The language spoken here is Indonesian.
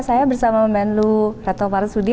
saya bersama menlu rathomarsudi